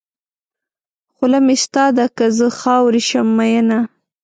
خوله مې ستا ده که زه خاورې شم مینه.